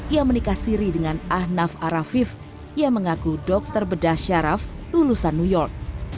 ia menikah siri dengan ahnaf arafif yang mengaku dokter bedah syaraf lulusan new york